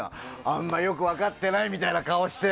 あまりよく分かってないみたいな顔して。